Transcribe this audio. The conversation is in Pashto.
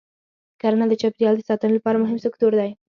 کرنه د چاپېریال د ساتنې لپاره مهم سکتور دی.